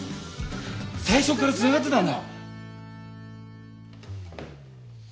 最初から繋がってたんだ！